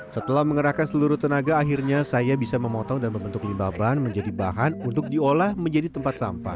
setelah mengerahkan seluruh tenaga akhirnya saya bisa memotong dan membentuk limbah ban menjadi bahan untuk diolah menjadi tempat sampah